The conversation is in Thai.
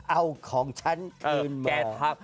เอาของฉันคืนมา